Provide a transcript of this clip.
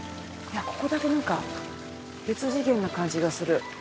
ここだけなんか別次元な感じがする。